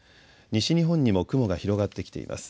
西日本にも雲が広がってきています。